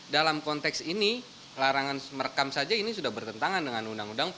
dalam konteks ini larangan merekam saja ini sudah bertentangan dengan undang undang